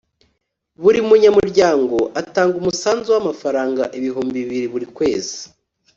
Buri munyamuryango atanga umusanzu w’amafaranga ibihumbi bibiri buri kwezi